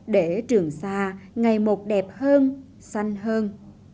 để trường sa ngày một đẹp hơn xanh hơn